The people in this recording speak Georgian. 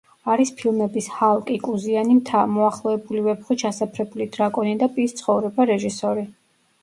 არის ფილმების „ჰალკი“, „კუზიანი მთა“, „მოახლოებული ვეფხვი, ჩასაფრებული დრაკონი“ და „პის ცხოვრება“ რეჟისორი.